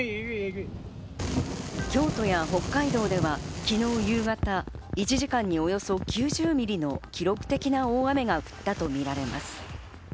京都や北海道では昨日夕方、１時間におよそ９０ミリの記録的な大雨が降ったとみられます。